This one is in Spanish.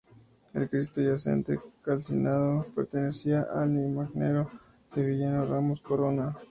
El cristo yacente calcinado pertenecía al imaginero sevillano Ramos Corona.